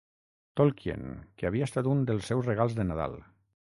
Tolkien, que havia estat un dels seus regals de Nadal.